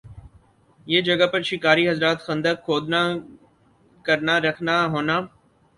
یِہ جگہ پر شکاری حضرات خندق کھودنا کرنا رکھنا ہونا